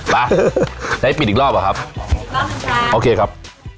ไปได้ปิดอีกรอบเหรอครับอีกรอบค่ะโอเคครับ